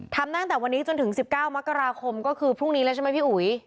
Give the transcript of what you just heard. ตั้งแต่วันนี้จนถึง๑๙มกราคมก็คือพรุ่งนี้แล้วใช่ไหมพี่อุ๋ย